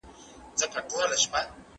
تعليم د ټولنې د ملا تير دی.